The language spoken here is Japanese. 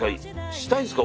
したいですか？